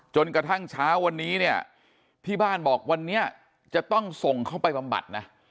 จนกระทั่งเช้าวันนี้เนี่ยที่บ้านบอกวันนี้จะต้องส่งเข้าไปบำบัดนะ